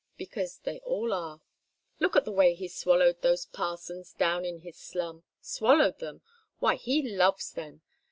Because they all are. Look at the way he swallowed those parsons down in his slum. Swallowed them why, he loves them.